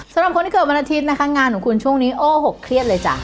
สำหรับคนที่เกิดวันอาทิตย์นะคะงานของคุณช่วงนี้โอ้หกเครียดเลยจ้ะ